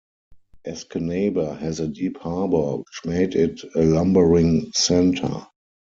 Escanaba has a deep harbor, which made it a lumbering center.